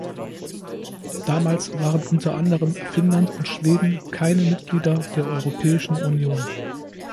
Damals waren unter anderem Finnland und Schweden keine Mitglieder der Europäischen Union.